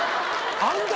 あんた